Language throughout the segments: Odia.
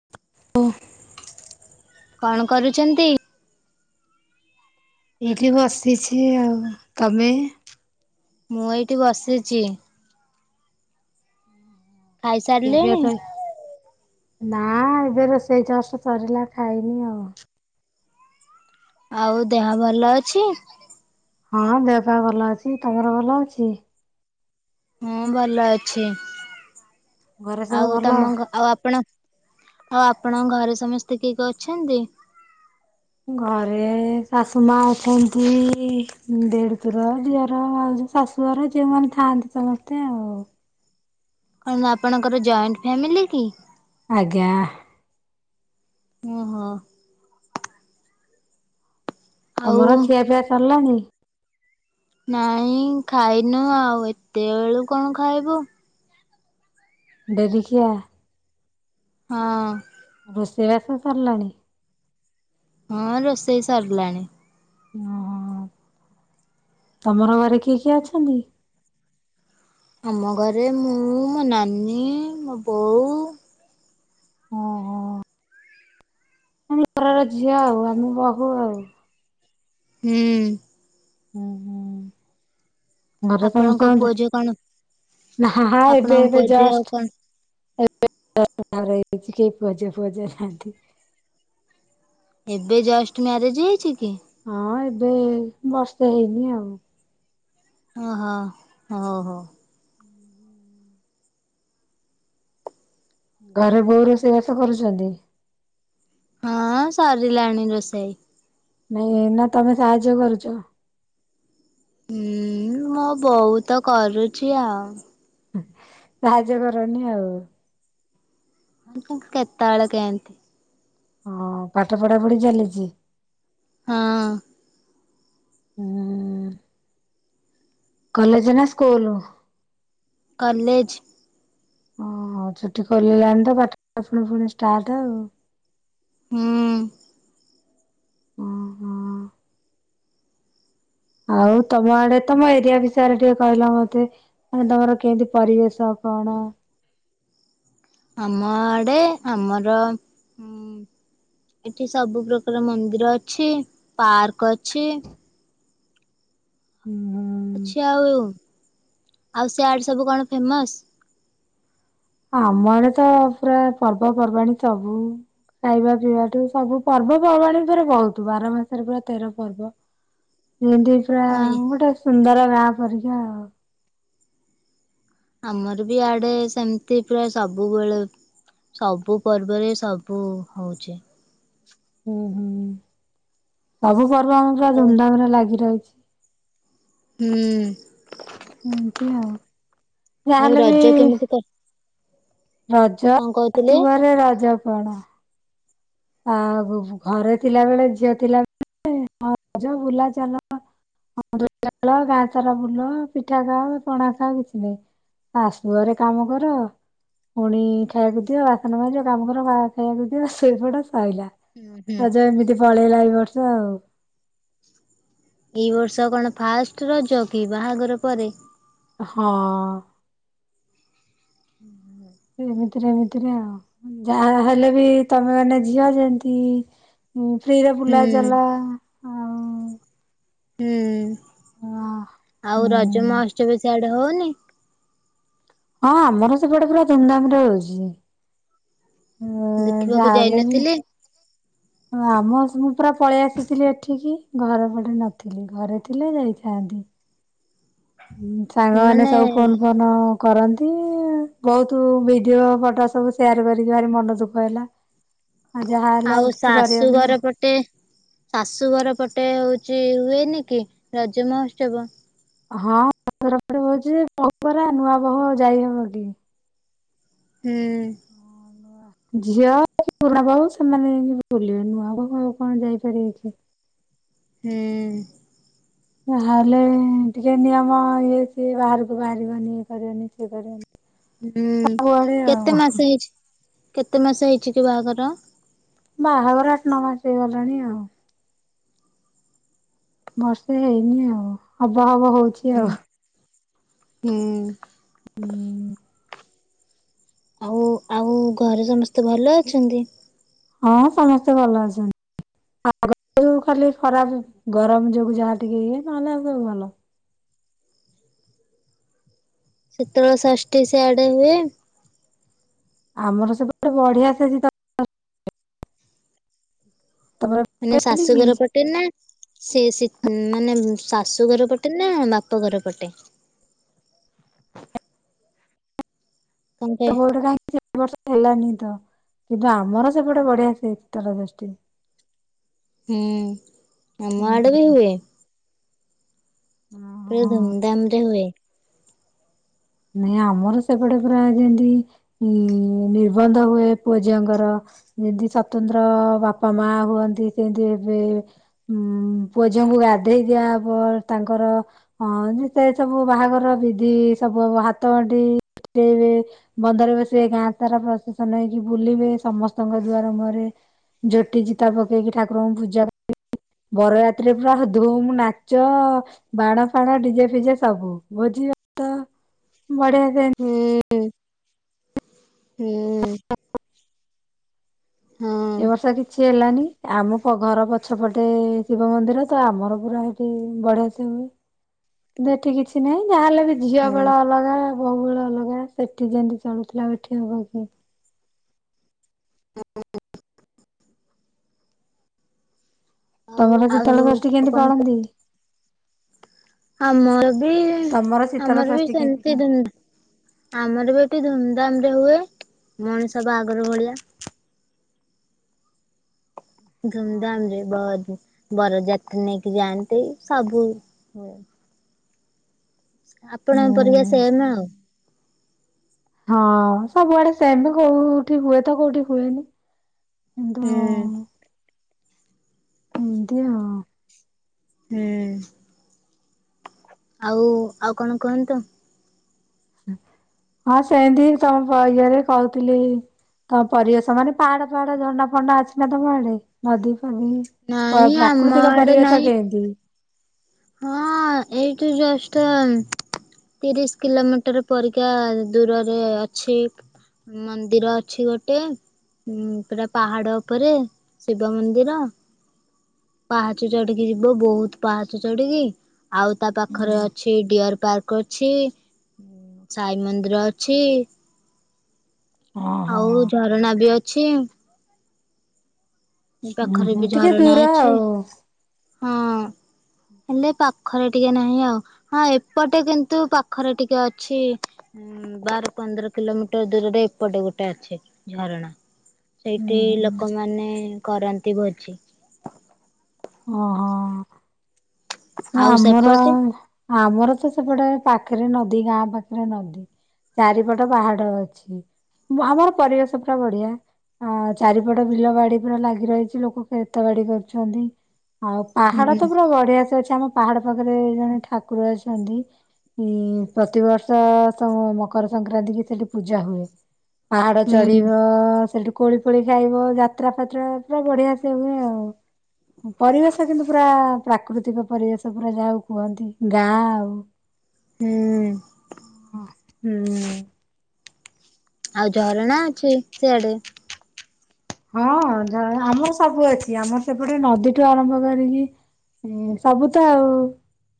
[inaudible] କଣ କରୁଛନ୍ତି? ଏଇଠି ବସିଛି ଆଉ ତମେ? ମୁଁ ଏଇଠି ବସିଛି। [unintelligible] ଖାଇସାରିଲେଣି? ନା ଏବେ ରୋସେଇ ଜଷ୍ଟ ସରିଲା ଖାଇନି ଆଉ। ଆଉ ଦେହ ଭଲ ଅଛି? ହଁ ଦେହ ଫେହ ଭଲ ଅଛି ତମର ଭଲ ଅଛି? ହଁ ଭଲ ଅଛି ଘରେ ସବୁ ଆଉ ଭଲ? ତମ ଘ ଆଉ ଆପଣ ଆଉ ଆପଣଙ୍କ ଘରେ ସମସ୍ତେ କିଏ ଅଛନ୍ତି? ଘରେ ଶାଶୁ ମା ଅଛନ୍ତି ଦେଢଶୁର ଦିଅର ଭାଉଜ। ଶାଶୁଘର ଯେଉଁମାନେ ଥାଆନ୍ତି ସମସ୍ତେ ଆଉ। କଣ ଆପଣଙ୍କର ଜଏଣ୍ଟ ଫ୍ୟାମିଲି କି? ଆଜ୍ଞା। ଓହୋ। ଆଉ ତମର ଖିଆ ପିଆ ସରିଲାଣି? ନାଇଁ ଖାଇନୁ ଆଉ ଏତେ ବେଳୁ କଣ ଖାଇବୁ। ଡେରିରେ ଖିଆ। ହଁ। ରୋଷେଇବାସ ସାରିଲାଣି? ହଁ ରୋଷେଇ ସାରିଲାଣି। ଓହୋ ତମର ଘରେ କିଏ କିଏ ଅଛନ୍ତି? ଆମ ଘରେ ମୁଁ ମୋ ନାନୀ ମୋ ବୋଉ। ଓ ହଁ। ଆପଣ ଘରର ଝିଅ ଆଉ ଆମ ବୋହୂ ଆଉ। ହୁଁ। ହୁଁ ହୁଁ। ଘରେ ଆପଣଙ୍କ ସମସ୍ତଙ୍କଠେ। ପୁଅ ଝିଅ କଣ ନା, ହଁ ଏବେ ଆପଣଙ୍କ ଏବେ ପୁଅ ଝିଅ ଜଷ୍ଟ କଣ ରଛି କେ ପଜ ଫଜ ନାହାନ୍ତି [unintelligible] ଏବେ ଜଷ୍ଟ ମ୍ୟାରେଜ୍ ହେଇଛି କି? ହଁ, ଏବେ ବର୍ଷେ ହେଇନି ଆଉ। ଓହୋ, ହଁ, ହୋ। ହୁଁ ହୁଁ ଘରେ ବୋଉ ରୋଷେଇବାସ କରୁଚନ୍ତି? ହଁ ସରିଲାଣି ରୋଷେଇ। ନାଇଁ ନା ତମେ ସାହାଯ୍ୟ କରୁଚ ହୁଁ ମୋ ବଉତ କରୁଚି ଆଉ। ସାହାଯ୍ୟ କରନି ଆଉ? କେତେବେଳେ କେଏଁତି ଓହୋ, ପାଠ ପଢା ପଢି ଚାଲିଚି? ହଁ। ଉଁ କଲେଜ ନା ସ୍କୁଲ? କଲେଜ୍ ଓହୋ, ଛୁଟି ଖୋଲିଲାଣି ତ ପାଠ ଫୁଣି ଫୁଣି ଷ୍ଟାର୍ଟ ଆଉ। ହୁଁ। ଓହୋ ଆଉ ତମ ଆଡେ ତମ ଏରିଆ ବିଷୟରେ ଟିକିଏ କହିଲ ମତେ? ମାନେ ତମର କେଏଁତି ପରିବେଶ କଣ? ଆମ ଆଡେ ଆମର ଉଁ ଏଠି ସବୁ ପ୍ରକାର ମନ୍ଦିର ଅଛି। ପାର୍କ ଅଛି। ହୁଁ। ଅଛି ଆଉ। ଆଉ ସେ ଆଡ ସବୁ କଣ ଫେମସ? ଆମ ଆଡେ ତ ପୁରା ପର୍ବପର୍ବାଣିୀ ସବୁ ଖାଇବା ପିଇବାଠୁ ସବୁ ପର୍ଵପର୍ବାଣୀ ଉପରେ ବହୁତ ବାର ମାସରେ ପୁରା ତେର ପର୍ବ। ଯେମତି ପୁରା ହଁ ଗୋଟାଏ ସୁନ୍ଦର ଗାଁ ପରିକା ଆଉ। ଆମର ବି ଇଆଡେ ସେମିତି ପ୍ରାୟ ସବୁବେଳେ ସବୁ ପର୍ବରେ ସବୁ ହଉଚି। ଉଁ, ହୁଁ। ସବୁ ପର୍ବ ଆମର ପୁରା ହଉ ଧୁମଧାମ ରେ ଲାଗି ରହିଚି। ହୁଁ। ଏମତି ଆଉ, ଆଉ ଯାହାହେନେ ବି ରଜ କେମିତି କ ରଜ କଣ କହୁଥିଲେ? ତୁଆରେ ରଜ ପଣା ଆଉ ଘରେ ଥିଲା ବେଳେ ଝିଅ ଥିଲାବେଳେ ହ ବୁଲା ଚଲା। ହଁ ଦୁଳ ଗାଁ ତାର ଫୁଲ ପିଠା ଖାଅ ପଣା ଖାଅ କିଛି ନାହିଁ [unintelligible] ଶାଶୂଘରେ କାମ କର ପୁଣି ଖାଇବାକୁ ଦିଅ, ବାସନ ମାଜ, କାମ କର ବା କୁ ଖାଇବାକୁ ଦିଅ ଶୋଇପଡ ସରିଲା। ହୁଁ ହୁଁ। ରଜ ଏମିତି ପଳେଇଲା ଏଇ ବର୍ଷ ଆଉ। ଏଇ ବର୍ଷ କଣ ଫାଷ୍ଟ ରଜ କି, ବାହାଘର ପରେ? ହଁ। ହୁଁ। ଏମିତିରେ ଏମିତିରେ ଆଉ, ଯାହା ହେଲେ ବି ତମେ ମାନେ ଝିଅ ଯେମତି ହୁଁ। ଫ୍ରିରେ ହୁଁ ବୁଲା ଚାଲା ଆଉ ହୁଁ, ଆଉ ହୁଁ ରଜମହୋତ୍ସବ ସିଆଡେ ହଉନି? ହଁ ଆମର ସେପଟେ ପୁରା ଧୁମଧାମରେ ହଉଛି। ହଁ ଦେଖିବାକୁ ଯାଲେ ବି ଯାଇନଥିଲେ? ଆମ ମୁଁ ପୁରା ପଳେଇ ଆସିଥିଲି ଏଠିକି ଘର ପଟେ ନଥିଲି ଘରେ ଥିଲେ ଯାଇଥାନ୍ତି। ସାଙ୍ଗମାନେ ମାନେ ସବୁ ଫୋନ୍ ଫୋନ୍ କଣ କରନ୍ତି, ବହୁତ ଭିଡ଼ିଓ ଫଟୋ ସବୁ ସେୟାର କରିକି ଭାରି ମନ ଦୁଃଖ ହେଲା। ଆଉ ଯାହା ହେଲେ ଆଉ କିଛି କରିହବନି ଶାଶୁଘର ପଟ ଗୋଟିଏ ଶାଶୁଘର ପଟେ ହଉଛି ହୁଏନି କି ରଜ ମହୋତ୍ସବ। ହଁ [unintelligible] ନୂଆ ବୋହୂ ଯାଇ ହବ ହେଟିକି ହୁଁ ଝିଅ ପୁରୁଣା ବୋହୁ ସେମାନେ ବୁଲିବେ, ନୂଆ ବୋହୁ ଆଉ କଣ ଯାଇ ପାରିବେ କି। ହୁଁ ଯା ହେଲେ ଟିକେ ନିୟମ ଇଏ ସିଏ ବାହାରକୁ ବାହାରିବନି ଇଏ କରିବନି ସିଏ କରିବନି ହୁଁ ସବୁଆଡେ କେତେ ଆଉ ମାସ ହେଇଚି? କେତେ ମାସ ହେଇଚି କି ବାହାଘର? ବାହାଘର ଆଠ ନ ମାସ ହେଇଗଲାଣି ଆଉ। ବର୍ଷେ ହେଇନି ଆଉ ହବ ହବ ହଉ ହୁଁ ହୁଁ ଆଉ। ହଉ ଆଉ ଘରେ ସମସ୍ତେ ଭଲ ଅଛନ୍ତି। ହଁ ସମସ୍ତେ ଭଲ ଅଛନ୍ତି। ଆମର ଯଉ ଖାଲି ଖରା ଗରମ ଯୋଗୁ ଯାହା ଟିକେ ଇଏ ନହେଲେ ଆଉ ସବୁ ଭଲ। ଶୀତଳ ଷଷ୍ଠି ସିଆଡ଼େ ହୁଏ। ଆମର ସେପଟେ ବଢିଆ ସେ ଶୀତଳ ତମ ମାନେ ଶାଶୁଘର ପଟେ ନା ସେ ଶି ମାନେ ଶାଶୁ ଘର ପଟେ ନା ବାପ ଘର ପଟେ? କଣ କହେ [inaudible] କାହିଁକି ଏ ବର୍ଷ ହେଲାନି ତ କିନ୍ତୁ ଆମର ସେପଟେ ବଢିଆ ସେ ଶୀତଳ ଷଷ୍ଠି। ହୁଁ ଆମ ଆଡ଼େ ବି ହୁଁ। ହୁଏ। ପୁରା ଓହୋ। ଧୁମ୍-ଧାମ୍ ରେ ହୁଏ। ନାଇଁ ଆମର ସେପଟେ ପୁରା ଯେମିତି ନି ନିର୍ବନ୍ଧ ହୁଏ ପୁଅ ଝିଅଙ୍କର ଯେମତି ସ୍ଵତନ୍ତ୍ର ବାପା ମା ହୁଅନ୍ତି ସେମିତି ଏବେ ଉଁ ପୁଅ ଝିଅ ଙ୍କୁ ଗାଧେଇ ଦିଆହବ। ତାଙ୍କର ହଁ ଯେତେ ସବୁ ବାହାଘର ବିଧି ସବୁ ହାତଗଣ୍ଠି ଫିଟେଇବେ ବନ୍ଧରେ ବସିବେ ଗାଁ ସାରା ପ୍ରସେଶନ ହେଇକି ବୁଲିବେ ସମସ୍ତଙ୍କ ଦୁଆର ମୁହଁରେ ଝୋଟି ଜିତା ପକେଇକି ଠାକୁରଙ୍କୁ ପୂଜା ବରଯାତ୍ରୀ ପୁରା ଧୁମ୍ ନାଚ ବାଣ ଫାଣ ଡିଜେ ଫିଜେ ସବୁ ଭୋଜି ଭାତ ବଢ଼ିଆ ସେ ହୁଁ ହୁଁ ହଁ ଏ ବର୍ଷ କିଛି ହେଲାନି। ଆମ କ ଘର ପଛପଟେ ଶିବ ମନ୍ଦିର ତ ଆମର ପୁରା ହୁଁ ବଢ଼ିଆ ସେ ହୁଏ। ନା ଏଠି କିଛି ନାହିଁ। ଯାହା ହେଲେ ବି ଝିଅ ହୁଁ ବେଳ ଅଲଗା ବୋହୂ ବେଳ ଅଲଗା। ସେଠି ଯେମିତି ଚଳୁଥିଲା ଏଠି ହେବ କି। ଆଉ ତମର ଶୀତଳ ଆଉ ଷଷ୍ଠି କେମିତି କଣ ପାଳନ୍ତି? ଆମର ବି ତମର ଶୀତଳ ଆମର ବି ଷଷ୍ଠୀ କେମିତି ପାଳ ସେମିତି ଦ ଆମର ବି ଏଠି ଧୁମଧାମରେ ହୁଏ, ମଣିଷ ବାହାଘର ଭଳିଆ। ଧୁମ୍-ଧାମ୍ ରେ ବରଯାତ୍ରୀ ନେଇକି ଯାଆନ୍ତି, ସବୁ ଆପଣଙ୍କ ପରିବେଶ ହୁଁ ସେମେ ଆଉ। ହଁ ସବୁଆଡେ ସେମ କୋଉ କୋଉଠି ହୁଏ ତ କୋଉଠି ହୁଏନି। କିନ୍ତୁ। ହୁଁ ଏମତି ଆଉ। ହେ। ଆଉ ଆଉ କଣ କୁହନ୍ତିତ। ହଁ ସେମତି ତମ ଇଏରେ କହୁଥିଲି। ତମ ପରିବେଶ ମାନେ ପାହାଡ ଫାହାଡ, ଝରଣା ଫରଣା ଅଛି ନା ତମ ଆଡେ ନଦୀ ଫଦି ପ ନାଇଁ ଆମ ପ୍ରାକୃତିକ ଆଡେ ପରିବେଶ ନାଇଁ କେମିତି? ହଁ ଏଇଠୁ ଜଷ୍ଟ ତିରିଶି କିଲୋମିଟର ପରିକା ଦୂରରେ ଅଛି। ମନ୍ଦିର ଅଛି ଗୋଟେ। ହୁ। ପୁରା ପାହାଡ଼ ଉପରେ ଶିବ ମନ୍ଦିର। ପାହାଚ ଚଢିକି ଯିବ ବହୁତ ପାହାଚ ଚଢିକି। ଆଉ ତା ପାଖରେ ଅଛି ଡିଅର ପାର୍କ ଅଛି। ସାଇ ମନ୍ଦିର ଅଛି। ହଁ। ଆଉ ଝରଣା ବି ଅଛି। ଉଁ ପାଖରେ ହୁଁ ବି ଟିକେ ଝରଣା ଦୂର ଅଛି ଆଉ। ହଁ। ହେଲେ ପାଖରେ ଟିକେ ନାହିଁ ଆଉ। ହଁ ଏପଟେ କିନ୍ତୁ ପାଖରେ ଟିକେ ଅଛି। ଉଁ ବାର ପନ୍ଦର କିଲୋମିଟର ଦୂରରେ ଏପଟେ ଗୋଟେ ଅଛେ ଝରଣା। ହୁଁ ସେଇଟି ହୁଁ। ଲୋକମାନେ କରନ୍ତି ଭୋଜି। ଓହୋ। ଆଉ ଆମର ସେପଟେ ଆମର ତ ସେପଟେ ପାଖରେ ନଦୀ ଗାଁ ପାଖରେ ନଦୀ। ଚାରିପଟ ବାହାଡ ଅଛି ବା ଆମର ପରିବେଶ ପୁରା ବଢିଆ। ହଁ ଚାରିପଟ ବିଲ ବାଡି ପୁରା ଲାଗି ରହିଚି ଲୋକ କ୍ଷେତ ବାଡି କରୁଛନ୍ତି। ଆଉ ପାହାଡ ହୁଁ ତ ପୁରା ବଢିଆସେ ଅଛି ଆମ ପାହାଡ ପାଖରେ ଜଣେ ଠାକୁର ଅଛନ୍ତି। ହୁଁ ପ୍ରତିବର୍ଷ ତ ମକର ସଂକ୍ରାନ୍ତି କି ସେଠି ପୂଜା ହୁଏ। ପାହାଡ ହୁଁ ଚଢିବ ସେଠୁ କୋଳି ଫୋଳି ଖାଇବ ଯାତ୍ରା ଫାତ୍ରା ପୁରା ବଢିଆ ସେ ହୁଏ ଆଉ। ପରିବେଶ କିନ୍ତୁ ପୁରା ପ୍ରାକୃତିକ ପରିବେଶ ପୁରା ଯାହାକୁ କୁହନ୍ତି ଗାଁ ଆଉ। ହୁଁ। ହୁଁ। ଆଉ ଝରଣା ଅଛି ସିଆଡେ। ହଁ ଝର ଆମର ସବୁ ଅଛି ଆମର ସେପଟେ ନଦୀଠୁ ଆରମ୍ଭ କରିକି ସବୁ ତ ଆଉ।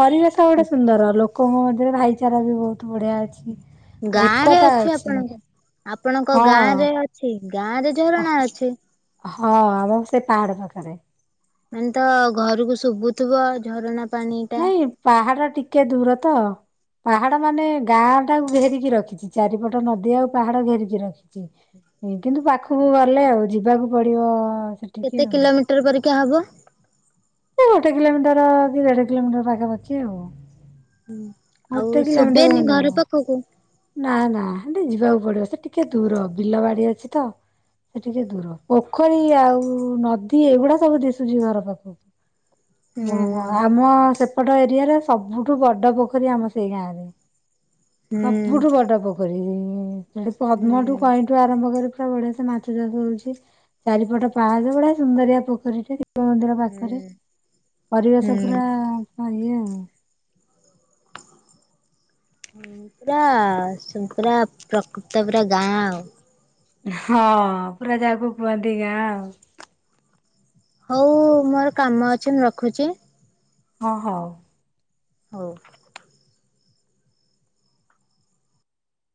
ପରିବେଶ ଗୋଟେ ସୁନ୍ଦର ଲୋକଙ୍କ ମଧ୍ୟରେ ଭାଇଚାରା ବି ବହୁତ ବଢିଆ ଅଛି। ଗାଁ ରେ ଅଛି ଆପଣଙ୍କ ଆପଣଙ୍କ ହଁ ଗାଁ ରେ ଅ ସେଇ ଗାଁ ରେ ଝରଣା ଅଛି। ହଁ ଆମର ସେଇ ପାହାଡ ପାଖରେ। ମାନେ ତ ଘରକୁ ଶୁଭୁଥିବ ଝରଣା ପାଣି ଟା ନାଇଁ ପାହାଡ଼ ଟିକେ ଦୂର ତ ପାହାଡ ମାନେ ଗାଁ ଟାକୁ ଘେରିକି ରଖିଚି ଚାରିପଟ ନଦୀ ଆଉ ପାହାଡ ଘେରିକି ରଖି କିନ୍ତୁ ପାଖକୁ ଗଲେ ଆଉ ଯିବାକୁ ପଡିବ ସେଠିକି କେତେ ଆଉ। କିଲୋମିଟର ପରୀକା ହବ? ଏ ଗୋଟେ କିଲୋମିଟର କି ଦେଢ କିଲୋମିଟର ପାଖାପାଖି ଆଉ। ହୁଁ ଆଉ ଗୋଟେ କିଲୋମିଟର ଶୁଭେନି ଖଣ୍ଡେ ଘର ହବ। ପାଖକୁ। ନା ନା ସେଠି ଯିବାକୁ ପଡିବ ସେ ଟିକେ ଦୂର ବିଲ ବାଡି ଅଛି ତ। ସେ ଟିକେ ଦୂର, ପୋଖରୀ ଆଉ ନଦୀ ଏଗୁଡା ସବୁ ଦିଶୁଛି ଘର ପାଖକୁ। ହୁଁ ଓ ହୁଁ। ଆମ ସେପଟ ଏରିଆରେ ସବୁଠୁ ବଡ ପୋଖରୀ ଆମ ସେଇ ଗାଁରେ। ସବୁଠୁ ହୁଁ। ବଡ ପୋଖରୀ ସେଠି ପଦ୍ମଠୁ କଁଇଠୁ ଆରମ୍ଭ କରି ପୁରା ବଢିଆ ସେ ମାଛ ଚାଷ ହଉଛି, ଚାରିପଟ ପାହାଚ ଵଢିଆ ସୁନ୍ଦରିଆ ପୋଖରୀଟେ। ଶିବ ମନ୍ଦିର ହୁଁ ପାଖରେ, ପରିବେଶ ହୁଁ। ପୁରା ଇଏ ଆଉ। ପୁରା ସୁ ପୁରା ପ୍ରକୃତ ପୁରା ଗାଁ ଆଉ। ହଁ ପୁରା ଜାକୁ କୁହନ୍ତି ଗାଁ ଆଉ। ହଉ ମୋର କାମ ଅଛି ମୁଁ ରଖୁଛି? ହଁ ହଉ। ହଉ।